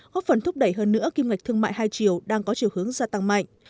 góp phần thúc đẩy hơn nữa kim ngạch thương mại hai triều đang có chiều hướng gia tăng mạnh